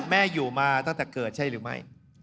แม่อยู่มาตั้งแต่เกิดใช่หรือไม่